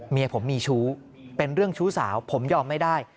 เมียผมมีชู้เป็นเรื่องชู้สาวผมยอมไม่ได้